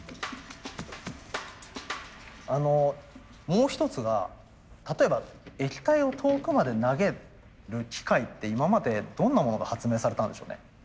もう一つが例えば液体を遠くまで投げる機械って今までどんなものが発明されたんでしょうね。